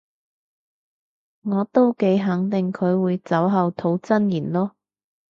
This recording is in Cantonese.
我都幾肯定佢會酒後吐真言囉